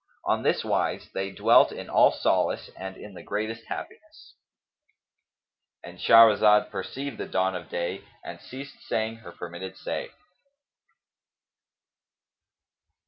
On this wise they dwelt in all solace and in the greatest happiness—And Shahrazad perceived the dawn of day and ceased saying her permitted say.